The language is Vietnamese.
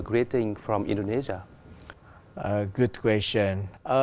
bởi vì tôi rất muốn